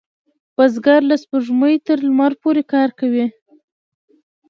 بزګر له سپوږمۍ تر لمر پورې کار کوي